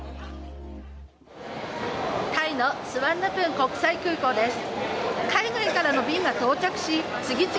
タイのスワンナプーム国際空港です。